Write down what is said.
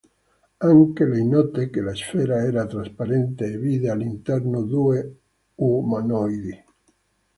Anche lei notò che la sfera era trasparente e vide all'interno due umanoidi.